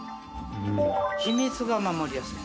秘密が守りやすい。